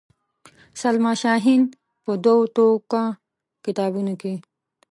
سلما شاهین په دوو ټوکه کتابونو کې.